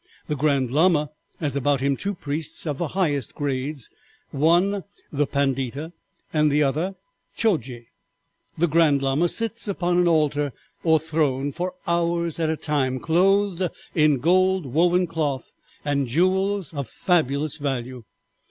The Grand Lama has about him two priests of the highest grades, one the Pandita and the other Tchoiji. The Grand Lama sits upon an altar or throne for hours at a time, clothed in gold woven cloth and jewels of fabulous value.